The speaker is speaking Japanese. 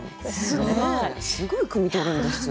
すごいくみ取るんですよ。